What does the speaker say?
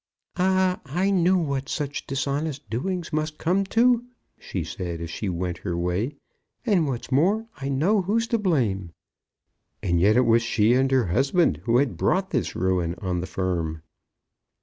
"Ah, I knew what such dishonest doings must come to," she said, as she went her way. "And, what's more, I know who's to blame." And yet it was she and her husband who had brought this ruin on the firm.